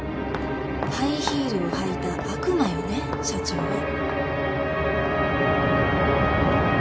ハイヒールを履いた悪魔よね社長は。